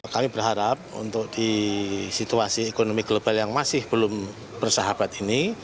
kami berharap untuk di situasi ekonomi global yang masih belum bersahabat ini